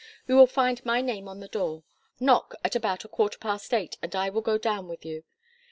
You will find my name on the door. Knock at about a quarter past eight and I will go down with you.